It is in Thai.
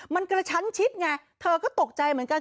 มันกระชั้นชิดไงเธอก็ตกใจเหมือนกัน